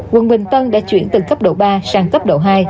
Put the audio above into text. quận bình tân đã chuyển từ cấp độ ba sang cấp độ hai